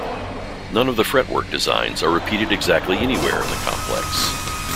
None of the fretwork designs are repeated exactly anywhere in the complex.